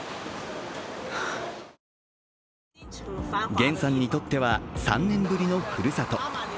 元さんにとっては３年ぶりのふるさと。